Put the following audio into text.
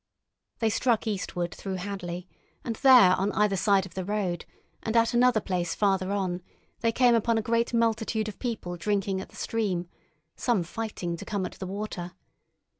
They struck eastward through Hadley, and there on either side of the road, and at another place farther on they came upon a great multitude of people drinking at the stream, some fighting to come at the water.